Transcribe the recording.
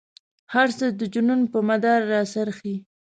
هر څه د جنون په مدار را څرخي.